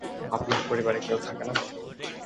আপনার পরিবারে কেউ থাকে না?